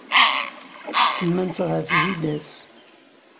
Semman-tt ɣef jida-s.